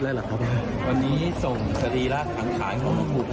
ท่านโทษท่านหม่านราภาพที่โรงพยาบาลกรุงเทพ